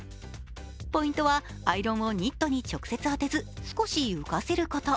ポイントはアイロンをニットに直接当てず、少し浮かせること。